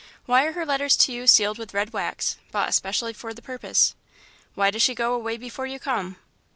Why are her letters to you sealed with red wax, bought especially for the purpose? Why does she go away before you come?